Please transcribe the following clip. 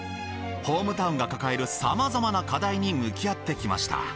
ホームタウンが抱えるさまざまな課題に向き合ってきました。